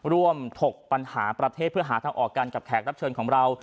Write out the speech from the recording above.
ถกปัญหาประเทศเพื่อหาทางออกกันกับแขกรับเชิญของเรา